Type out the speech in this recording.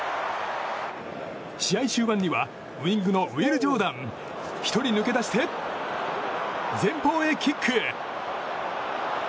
試合終盤には、ウィングのウィル・ジョーダン１人抜け出して前方へキック！